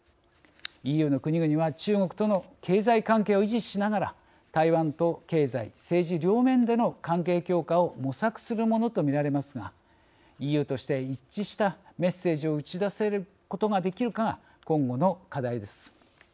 ＥＵの国々は中国との経済関係を維持しながら台湾と経済・政治両面での関係強化を模索するものと見られますがＥＵとして一致したメッセージを打ち出せることができるかが今後の課題です。